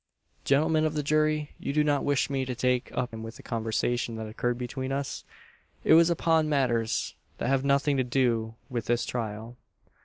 "Gentlemen of the jury! you do not wish me to take up your time with the conversation that occurred between us? It was upon matters that have nothing to do with this trial.